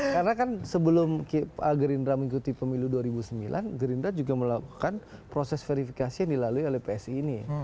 karena kan sebelum gerindra mengikuti pemilu dua ribu sembilan gerindra juga melakukan proses verifikasi yang dilalui oleh psi ini